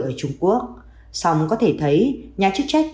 ở trung quốc song có thể thấy nhà chức trách